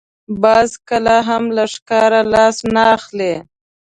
باز کله هم له ښکار لاس نه اخلي